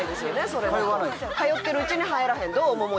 それは通ってるうちに入らへんどう？